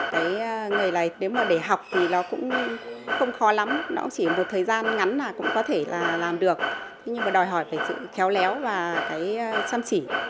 cái nghề này nếu mà để học thì nó cũng không khó lắm nó chỉ một thời gian ngắn là cũng có thể là làm được nhưng mà đòi hỏi về sự khéo léo và cái chăm chỉ